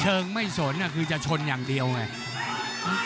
เชิงไม่สนคือจะชนอย่างเดียวไง